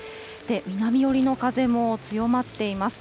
南寄りの風も強まっています。